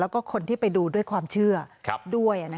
แล้วก็คนที่ไปดูด้วยความเชื่อด้วย